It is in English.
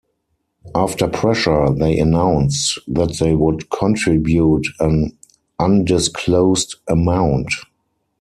After pressure, they announced that they would contribute an undisclosed amount.